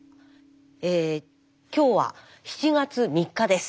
え今日は７月３日です。